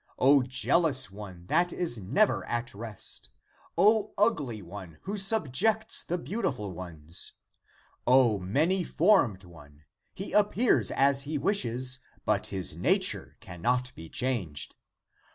O jealous one that is never at rest! O ugly one who subjects the beautiful ones! O many formed one — he appears as he wishes, but his nature cannot be changed —